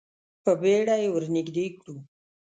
په بیړه یې ور نږدې کړو.